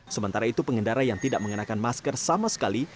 sementara itu pengendara yang tidak mengenakan masker sama sekali